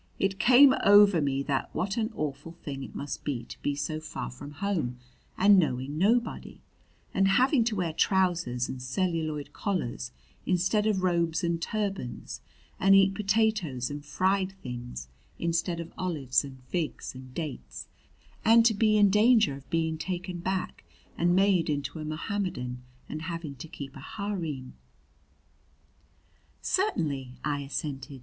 It came over me then what an awful thing it must be to be so far from home and knowing nobody, and having to wear trousers and celluloid collars instead of robes and turbans, and eat potatoes and fried things instead of olives and figs and dates, and to be in danger of being taken back and made into a Mohammedan and having to keep a harem. "Certainly," I assented.